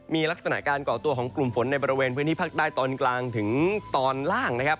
มีลักษณะการก่อตัวของกลุ่มฝนในบริเวณพื้นที่ภาคใต้ตอนกลางถึงตอนล่างนะครับ